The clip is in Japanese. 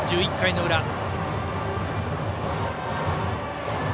１１回の裏。